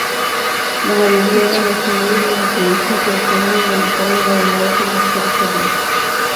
La mayoría eran automóviles de turismo, pero con una inevitable variedad en las carrocerías.